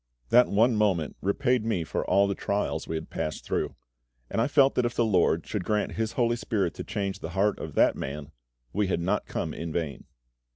That one moment repaid me for all the trials we had passed through; and I felt that if the LORD should grant HIS HOLY SPIRIT to change the heart of that man, we had not come in vain.